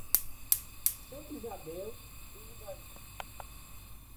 Santa Isabel do Ivaí